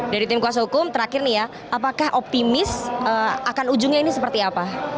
dari tim kuasa hukum terakhir nih ya apakah optimis akan ujungnya ini seperti apa